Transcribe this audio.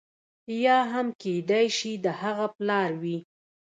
یا هم کېدای شي د هغه پلار وي.